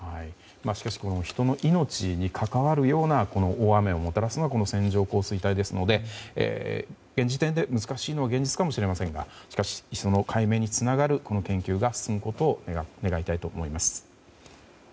しかし人の命に関わるような大雨をもたらすのが線状降水帯ですので現時点で難しいのが現実かもしれませんがしかし、その解明につながるこの研究が進むことを願いたいと思います。